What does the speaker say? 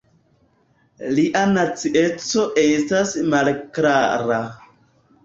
Lia nacieco estas malklara.